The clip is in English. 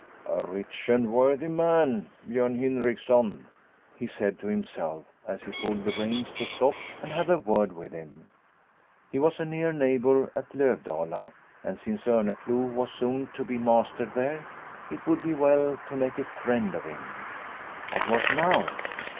" A rich and worthy man Biorn Hindriksson," he said to himself as he pulled the reins to stop and have a word with him. He was a near neigh bour at Lovdala, and since Orneclou was soon to be master there, it would be well to make a friend of him. But what now